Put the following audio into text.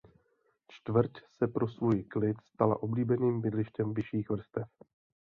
Čtvrť se pro svůj klid stala oblíbeným bydlištěm vyšších vrstev.